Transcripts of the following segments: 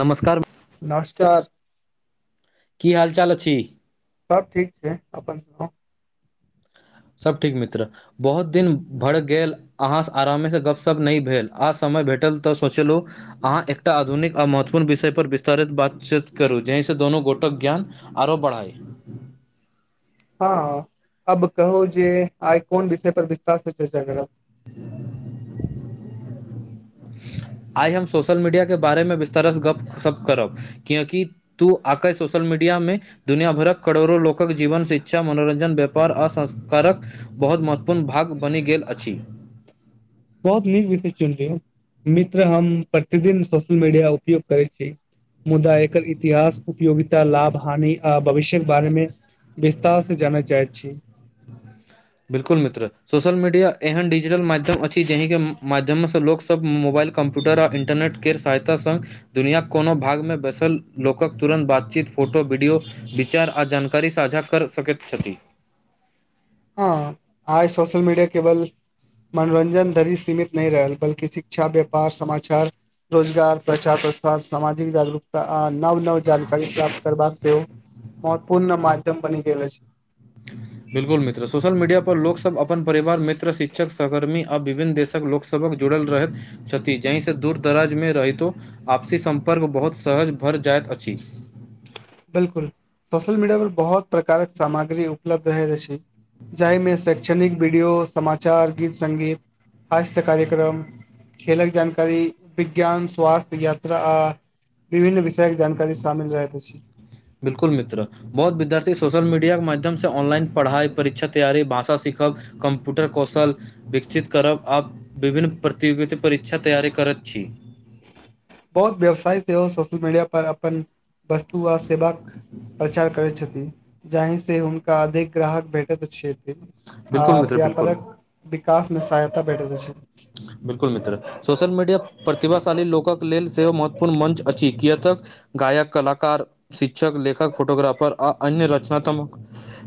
नमस्कार नमस्कार की हाल चाल अछि सब ठीक छै अपन सुनाउ सब ठीक मित्र बहुत दिन भर गेल अहाँ आराम से गपशप नहि भेल आ समय भेटल तऽ सोचलहु अहाँ एकटा आधुनिक आ महत्वपूर्ण विषय पर विस्तारित बातचीत करू जाहिसँ दुनू गोटक ज्ञान आरो बढ़ए हँ अब कहो जे आइ कोन विषय पर विस्तार से चर्चा करब [inaudible] आइ हम सोशल मीडिया के बारेमे विस्तारसँ गपशप करब कियकि तू आकई सोशल मीडिया डिया मे दुनिया भरक करोड़ो लोकक जीवन शिक्षा मनोरञजन व्यापार आ संस्कारक बहुत महत्वपूर्ण भाग बनि गेल अछि बहुत नीक विषय चुनलियय मित्र हम प्रतिदिन सोशल मीडिया उपयोग करैत छी मुदा एकर इतिहास उपयोगितता लाभ हानि आ भविष्यके बारेमे विस्तार सँ जान चाह छी [inaudible] बिल्कुल मित्र सोशल मीडिया एहन डिजिटल माध्यम अछि जहि के माध्यमसँ लोकसभ मोबाइल कम्प्यूटर आ इंटरनेट केर सहायता सग दुनियाक कोनो भागमे बैसल लोकक तुरन्त बातचीत फोटो वीडियो विचार आ जानकारी साझा कर सकैत छथि हँ आइ सोशल मीडिया केवल मनोरञ्जन धरि सीमित नहि रहल बल्कि शिक्षा व्यापार समाचार रोजगार प्रचार प्रसार सामाजिक जागरूकता अ न नव नव जानकारी प्राप्त करबाक सेहोव महत्वपूर्ण मध्यम बनि गेल अछी बिलकुल मित्र सोशल मीडिया पर लोकसभ अपन परिवार मित्र शिक्षक सहकर्मी आ विभिन्न देशक लोकसभा जुड़ल रहैत छथि जहिसँ दूरदराज मे रहितो आपसी सम्पर्क बहुत सहज भर जायत अछि बिलकुल सोशल मीडिया पर बहुत प्रकारक सामग्री उपलब्ध रहैत अछि जाहिमे शैक्षणिक वीडियो समाचार गीत संगीत हास्य कार्यक्रम खेलक जानकारी विज्ञान स्वास्थ्य यात्रा आ विभिन्न विषयक जानकारी शामिल रहैत अछि बिलकुल मित्र बहुत विद्यार्थी सोशल मीडिया के माध्यम से ऑनलाइन पढ़ाई परीक्षा तैयारी भाषा से सीखब कम्प्यूटर कौशल विकसित करब आ विभिन्न प्रतियोगिता परीक्षा तैयारी करब कर छी बहुत व्यवसाय सेहो सोशल मीडिया पर अपन वस्तु आ सेवा क प्रचार करैत छथि जाहि से हुनका अधिक ग्राहक भेटैत छथि आ बिल्कुल मित्र बिल्कुल व्यापारक विकासमे सहायता भेटैत अछी बिल्कुल मित्र सोशल मीडिया प्रतिभाशाली लोकक लेल सेहो महत्वपूर्ण मंच अछि कियत गायक कलाक शिक्षक लेखक फोटोग्राफर आ अन्य रचनात्मक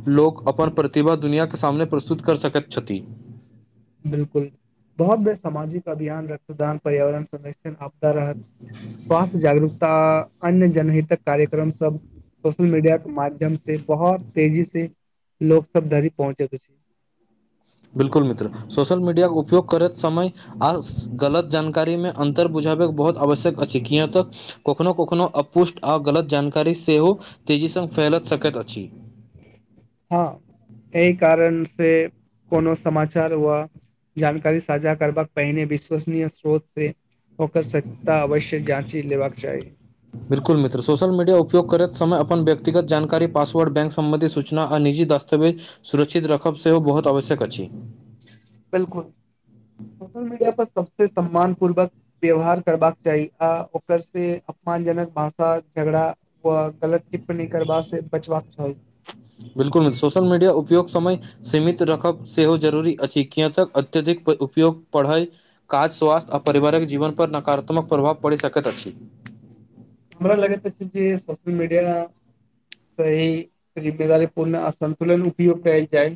लोक अपन प्रतिभा दुनिआके सामने प्रस्तुत कर सकैत छथि बिलकुल बहुत बे सामाजिक अभियान रक्तदान पर्यावरण संरक्षण आपदा रहत स्वास्थ्य जागरूकता आ अन्य जनहितक कार्यक्रम सब सोशल मीडिया के माध्यम से बहुत तेजी से लोक सब धरी पहुँचेैत अछि [inaudible] बिल्कुल मित्र सोशल मीडिया उपयोग करैत समय आ गलत जानकारी मे अंतर बुझा बहुत आवश्यक अछि किया तक कखनो कखनो अपुष्ट आ गलत जानकारी सेहो तेजी संग फैल सकैत अछि हँ एहि कारण से कोनो समाचार वा जानकारी साझा करबाक पहिने विश्वसनीय स्रोत से ओकर सतता अवश्य जाँची लेबाक चाही बिल्कुल मित्र सोशल मीडिया उपयगैत समय अपन व्यक्त व्यक्तगत जानकारीाससवर्ड बैंक सम्बन्धी सूचना आ निजी दस्तवेज सुरक्षित रखब सेहो बहुत आवश्यक अछि [unintelligible] सबस सम्मान पूर्वक व्यवहार करबाक चाही आ ओकर से अपमानजनक भाषा झगड़ा गलत टिप्पणी करबा से बचवाक चाही बिल्कुल सोशल मीडिया उपयोग समय सीमित रखब सेहो जरूरी अछि किए तक अत्यधिक उपयोग पढ़य काज स्वास्थ्य आ पिवारिक जीवन पर नकारात्मक प्रभाव पड़ि सकैत अछि [inaudible] हमरा लगैत छै जे सोशल मीडिया सहि जिम्मेदारी पूर्ण असन्तुलन उपयोग कैल जाइ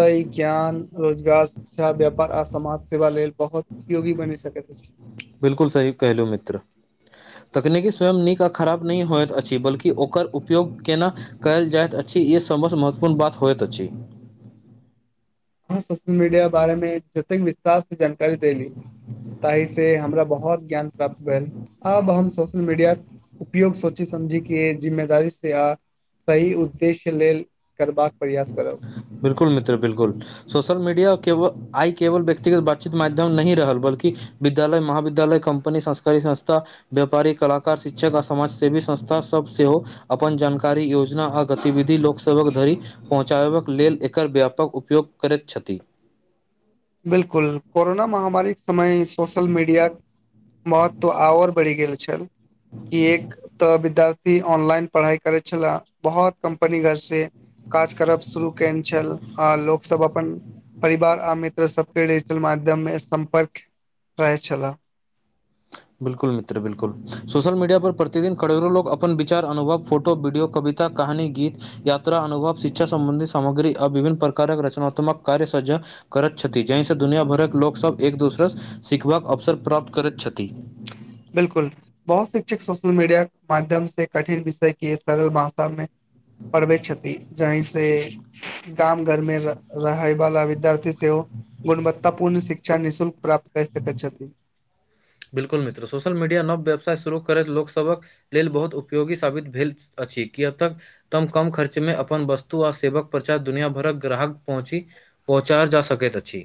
त ज्ञान रोजगार शिक्षा व्यापार आ समाज सेवा लेल बहुत उपयोगी बनि सकैत अछि बिलकुल सही कहहिलहु मित्र तकनीकी स्वयं नीक आ खराब नहि होइत अछि बल्कि ओकर उपयोग केना कयल जाइत अछि ई समस्त महत्वपूर्ण बात होइत अछि ह सोशल मीडिया के बारे मे जतेक विस्तरस जानकारी देली ताहि से हमरा बहुत ज्ञान प्राप्त भेल अब हम सोशल मीडिया उपयोग सोची समझी के जिम्मेदारी से आ सही उद्देश्य लेल करबाक प्रयास करब बिलकुल मित्र बिलकुल सोशल मीडिया आइ केवल व्यक्तिगत बातचीत माध्यम नहि रहल बल्कि विद्यालय महाविद्यालय कंपनी संस्कारी संस्था व्यापारी कलाकार शिक्षक आ समाजसेवी संस्था सभ सेहो अपन जान जानकारी योजना आ गतिविधि लोकसभक धरि पहुँचाबाक लेल एकर व्यापक उपयोग करैत छथि बिलकुल कोरोना महामारी समय सोशल मीडियााक के महत्व आओर बढ़ि गेल छल की एक त विद्यार्थी ऑनलाइन पढ़ाइ करै छले बहुत कम्पनी घर से काज करब शुरू केयने छल आ लोक सब अपन परिवार आमित सबके डिजिटल माध्यममे सम्पर्क रहै छला बिलकुल मित्र बिल्कु सोशल मीडिया पर प्रतिदिन करोड़ो लोक अपन विचार अनुभव फोटो वीडियो कभी कहानी गीत यात्रा अनुभव शिक्षा संबंधी सामग्री आ विभिन्न प्रकारक रचनात्मक कार्य सजा करैत छथि जाहिसँ दुनिया भरक लोकसभ एक दोसरास सीखबाक अवसर प्राप्त करैत छथि [unintelligible] बिलकुल बहुत शिक्षक सोशल मीडिया माध्यम से कठिन विषय के सरल भाषामे पढ़बै छथि जाहि से गाम घर मे रहय वाला विद्यार्थी सेहो गुणवत्तता पूर्ण शिक्षा निःशुलक प्राप्त कर सकैत छथि [unintelligible] बिल्कुल मित्र सोशल मीडिया नव व्यवसाय शुरू करैत लोकसभक लेल बहुत उपयोगी साबित भेल अछि किया तक तब कम खर्च मे अपन वस्तु आ सेवाक प्रचार दुनिया भरक ग्राहक पहुँची पहुँचायल जा सकैत अछि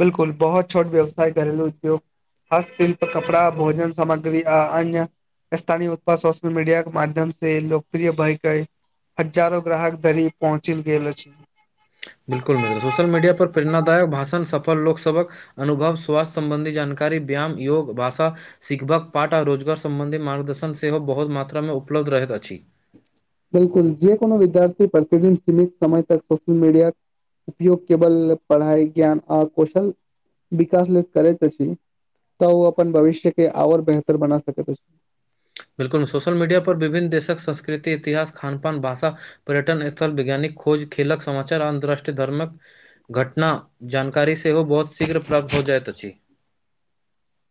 बिल्कुल बहुत छोट व्यवसाय करेलू उद्योग हस्त शिल्प कपड़ा भोजन सामग्री आ अन्य स्थानीय उत्पाद सोशल मीडिया के माध्यम से लोकप्रिय भयके हजारो ग्राहक धरी पहुँच गेल छै बिल्कुल मित्र सोशल मीडिया पर प्रेरणाादायक भाषण सफल लोकसभक अनुभव स्वासथ्य संबंधी जानकारी जानकारि व्यायाम योग भाषा शिखबाक पाठ आ रोजगार संबंधी मार्गदर्शन सेहो बहुत मात्रामे उपलब्ध रहैत अछि बिल्कुल जे कोनो विद्यार्थी प्रतिदिन सीमित समय तक सोशल मीडिया उपयोग केवल पढ़ाइ ज्ञान आ कौशल विकास लेल करैत अछि तऽ ओ अपन भविष्य के आओर बेहतर बना सकैत बिल्कुल सोशल मीडिया पर विभिन्न देशक संस्कृति इतिहास खान पान भाषा पर्यटन स्थल वैज्ञानिक खोज खेलक समाचार आ अन्तर्राष्ट्रीय धर्मक घटना जानकारी सेहो ओ बहुत शीघ्र प्राप्त हो जाइत अछि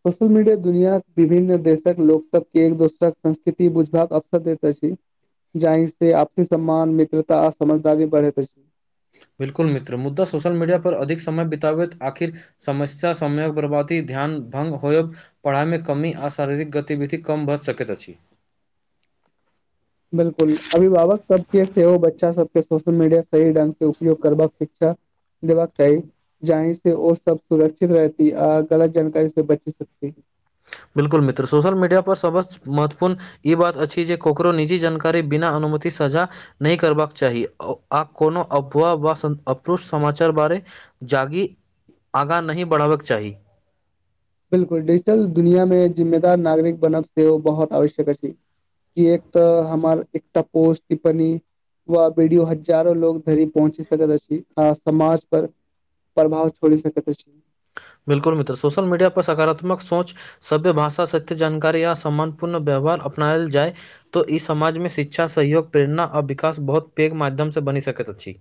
सोशल मीडिया दुनियाक विभिन्न देशक लोक सबके एक दोसरक संस्कृति बुझवाक अवसर देत अछि जाहि से आपसी सम्मान मित्रता आ समझदारी बढ़ैत अछि [unintelligible] बिल्कुल मित्र मुद्दा सोशल मीडिया पर अधिक समय बिताबैत आखिर समस्या समयक बर्बादी ध्यान भंग होयब पढ़ाइमे कमी आ शारीरिक गतिविधि कम भअ सकैत अछि [inaudible] बिल्कुल अभिभावक सबके सेहो बच्चा सबके सोशल मीडिया सही ढंग से उपयोग करबाक शिक्षा देबाक चाही जाहि से ओ सब सुरक्षित रहती आ गलत जानकारी से बचि सकती बिल्कुल मित्र सोशल मीडिया पर सभसँ महत्वपूर्ण ई बात अछि जे ककरो निजी जानकारी बिना अनु मति साझा नहि करबाक चाही आ कोनो अफवाह वा अपप्रुष्ट समाचार बारे जागी आगाँ नहि बढ़ाबक चाही बिलकुल डिजिटल दुनिया मे जिम्मेदार नागरिक बनब सेहो बहुत आवश्यक अछि कियक तऽ हमर एकटा पोष्ठ टिप्पणी व वीडियो हजारो लोग धरी पहुँची सकैत अछि आ समाज पर प्रभाव छोड़ि सकैत छै बिल्कुल मित्र सोशल मीडिया पर सकारात्मक सोच सभ्य भाषा सत्य जानकारी या सम्मानपूर्ण व्य वहार अपनायल जाय त ई समाजमे शिक्षा सहयोग प्रेरणा आ विकास बहुत पैघ माध्यम से बनि सकैत अछि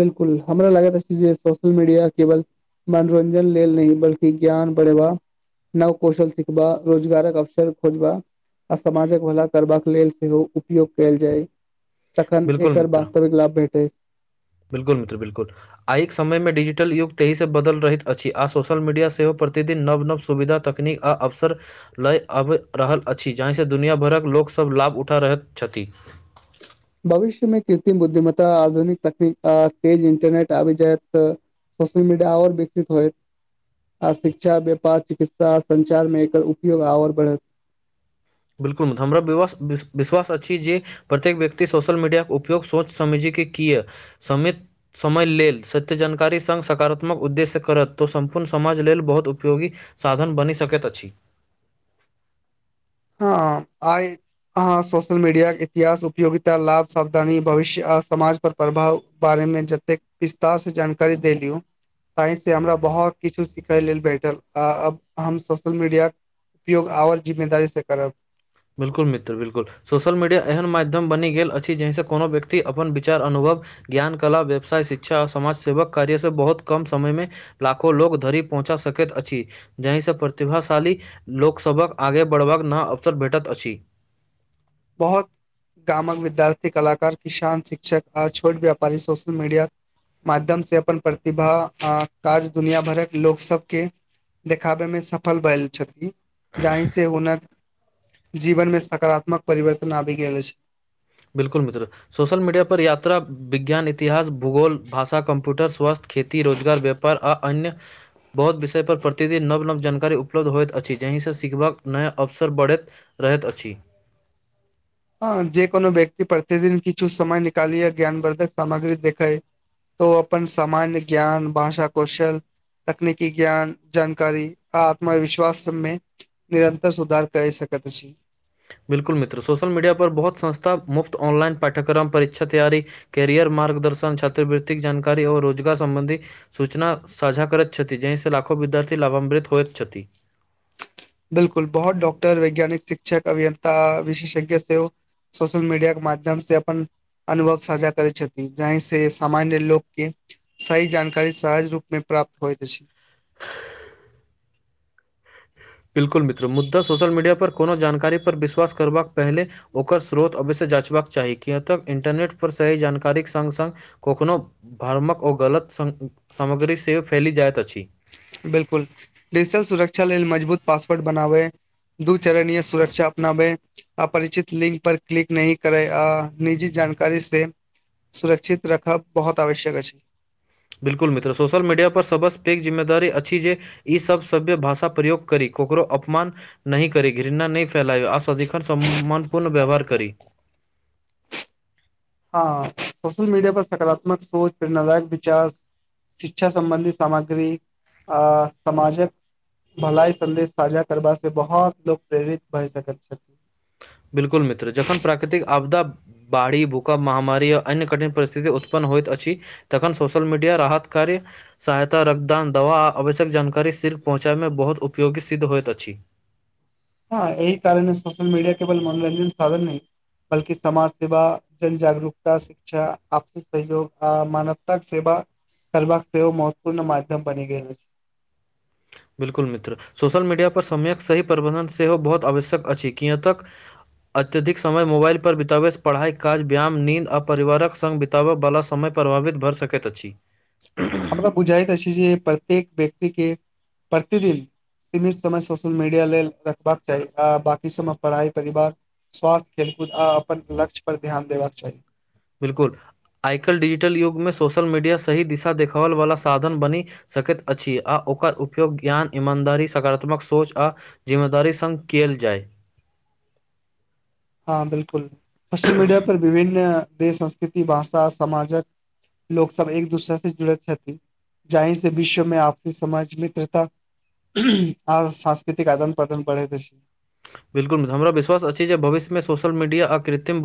बिल्कुल हमरा लागि अछि जे सोशल मीडिया केवल मनोरञ्जन लेल नहि बल्कि ज्ञान बढ़ेवा नव कौशल सिखबा रोजगारक अवसर खोजबा आ समाजक भला करबाक लेल सेहो उपयोग कयल जाय तखन बिल्कुल एकर मित्र वास्तविक लाभ भेटै बिल्कुल मित्र बिल्कुल आयक समयमे डिजिटल युग ताहिसँ बदल रहैत अछि आ सोशल मीडिया सेहो प्रतिदिन नव-नव सुविधा तकनीक आ अवसर लय आबि रहल अछि जाहिसँ दुनिया भरक लोक सब लाभ उठा रहल छथि भविष्यमे कृत्रिम बुद्धिमता आधुनिक तकनीक तेज इंटरनेट आबि जायत तऽ सोशल मीडिया आओर विकसित होइत आ शिक्षा व्यापार चिकित्सा संचारमे एकर उपयोग आओर बढ़त बिल्कुल हमरा विवश विश विश्वास अछि जे प्रत्येक व्यक्ति सोशल मीडियाक उपयोग सोच समझि के किए समित समय लेल सत्य जानकारी संग सकारात्मक उद्देश्य करत तऽ सम्पूर्ण समाज लेल बहुत उपयोगी साधन बनि सकैत अछि ह आइ अहाँ सोशल मीडियाके इतिहास उपयोगिता लाभ सावधानी भविष्य आ समाज पर प्रभाव बारे मे जतेक विस्तारसँ जानकारी देलियौ ताहिसँ हमरा बहुत किछु सिखय लेल भैठल आ अब हम सोशल मीडिया उपयोग आओर जिम्मेदारी से करब बिल्कुल मित्र बिल्कुल सोशल मीडिया एहन माध्यम बनि गेल अछि जाहिसँ कोनो व्यक्ति अपन विचार अनुभव ज्ञानकला व्यवसाय शिक्षा आ समाज सेवक कार्य से बहुत कम समय मे लाखो लोक धरि पहुँचा सकैत अछि जाहिसँ प्रतिभाशाली लोकसभक आगे बढ़बाक ना भेटत अछि बहुत गामक विद्यार्थी कलाकार किसान शिक्षक आ छोट व्यापारी सोशल मीडिया माध्यम से अपन प्रतिभा आ काज दुनिया भरक लोक सबके देखाबेमे सफल भेल छथि जाहि से हुनक जीवन मे सकारात्मक परिवर्तन आबि गेल अछि बिलकुल मित्र सोशल मीडिया पर यात्रा विज्ञान इतिहास भूगोल भाषा कंप्यूटर स्वास्थ्य खेती रोजगार व्यापार आ अन्य बहुत विषय पर प्रतिदिन नव नव जन जानकारी उपलब्ध होइत अछि जहिसँ सीखबाक नया अवसर बढ़ैत रहैत अछि [inaudible] ह जे कोनो व्यक्ति प्रतिदिन किछु समय निकालिए ज्ञानवर्धक सामग्री देखै तऽ ओ अपन सामान्य ज्ञान भाषा कौशल तकनीकी ज्ञान जानकारी आ आत्मविश्वासमे निरन्तर सुधार करि सकै कतऽ छी बिल्कुल मित्रो सोशल मीडिया पर बहुत संस्था मुफ्त ऑनलाइन पाठ्यक्रम परीक्षा तैयारी कैरियर मार्गदर्शन छात्रवृत्तिक जानकारी आ रोजगार संबंधी सूचना साझा करैत छथि जहिसँ लाभ लाखो विद्यार्थी लाभान्वित होइत छथि बिलकुल बहुत डॉकटर वैज्ञानिक शिक्षक अभियन्ता विशेषज्ञ सेहो सोशल मीडिया के माध्यम से अपन अनुभव साझा करैत छथि जहि से सामान्य लोकके सही जानकारी सहज रूप मे प्राप्त प्राप्त होइत अछि बिल्कुल मित्र मुद्दा सोशल मीडिया पर कोनो जानकारी पर विश्वास करबाक पहिल ओकर स्रोत अवश्य जाँचबाक चाही किए तक इंटरनेट पर सही जानकारीक सङ्ग सङ्ग कखनो भ्रमक ओ गलत सामग्री से फैल जाइत अछि बिलकुल डिजिटल सुरक्षा लेल मजबूत पासवर्ड बनाबै दूचरणीय सुरक्षा अपनाबे अपरिचित लिंक पर क्लिक नहि करे आ निजी जान जानकारी से सुरक्षित रखब बहुत आवश्यक अछि बिल्कुल मित्र सोशल मीडिया पर सबसे पैघ जिम्मेदारी छी जे ई सभ सभ्य भाषा प्रयोग करी ककरो अपमान नहि करी घृणा नहि फ फैलायब आ सदिखन सम्मान पूर्ण व्यवहार करी हँ सोशल मीडिया पर सकारात्मक सोच प्रेरणादायक विचार शिक्षा सम्बन्धी सामग्री आ समाजक भलाई संदेश साझा करबा से बहुत लोको प्रेरित भए सकैत छथि बिलकुल मित्र जखन प्राकृतिक आपदा बाढ़ी भूकम्प महामारी आ अन्य कठिन परिस्थिति उत्पन्न होइत अछि तखन सोशल मीडिया राहत कार्य सहायता रक्तदान दवा आ आवश्यक जानकारी स तक पहुँचाबै मे बहुत उपयोगी सिद्ध होइत अछि हँ एहि कारणे सोशल मीडिया केवल मनोरञ्जन साधन नहि बल्कि समाज सेवा जन जागरूकता शिक्षा आपसी सहयोग आ मानवताक सेवा करबाक सेहो महत्वपूर्ण मध्यम बनि गेल अछि [inaudible] बिल्कुल मित्र सोशल मीडियापर समयक सही प्रबन्धन सेहो बहुत आवश्यक अछि किए तक अत्यधिक समय मोबाइल पर बितबै पढ़ाई काज व्यायाम नींद आ परिवारक संगग बितबय वला समय प्रभावित भरि सकैत अछि हमरा बुझाइत अछि जे प्रत्येक व्यक्ति के प्रतिदिन सीमित समय सोशल मीडिया लेल रखबाक चाही आ बाकी समय पढ़ाइ परिवार स्वास्थ्य खेलकूद आ अपन लक्ष्य पर ध्यान देबाक चाही बिलकुल आइ काल्हि डिजिटल युगमे सोशल मीडिया सही दिशा देखाओल वाला साधन बनी सकैत अछि आओ ओकर उपयोग ज्ञान ईमानदारी सकारात्मक सोच आ जिम्मेदारी संग कयल जाय [inaudible] हँ बिलकुल सोशल मीडिया पर विभिन्न देश संस्कृति भाषा समाजक लोको सब एक दूसरा से जुड़ैत छथि जाहि से विश्वमे आपसी समाज मित्रता आ सांस्कृतिक आदान प्रदान बढ़ेत अछि बिल्कुल हमरा विश्वास अछि जे भिष्यमे सोशल मीडिया आ कृत्रिम